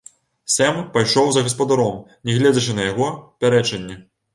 Сэм пайшоў за гаспадаром, нягледзячы на яго пярэчанні.